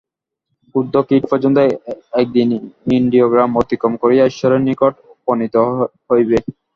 ক্ষুদ্র কীট পর্যন্ত একদিন ইন্দ্রিয়গ্রাম অতিক্রম করিয়া ঈশ্বরের নিকট উপনীত হইবে।